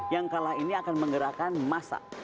yang kalah ini akan menggerakkan massa